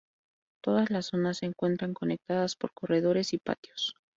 Todas las zonas se encuentran conectadas por corredores y patios.